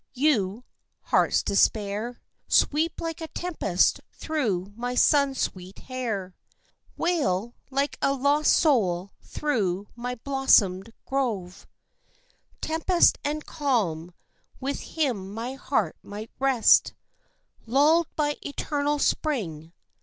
You heart's despair Sweep like a tempest through my sunsweet air, Wail like a lost soul through my blossomed grove. Tempest and calm, with him my heart might rest, Lulled by eternal spring.